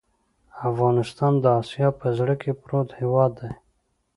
افغانستان د آسیا په زړه کې پروت هېواد دی.